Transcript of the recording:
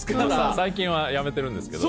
最近はやめてるんですけど。